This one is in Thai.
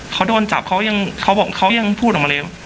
เขาโดนจับเขายังพูดออกมาเลย